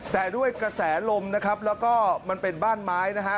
แต่ด้วยกระแสลมนะครับแล้วก็มันเป็นบ้านไม้นะฮะ